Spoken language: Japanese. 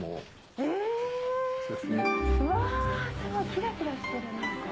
うわすごいキラキラしてる何か。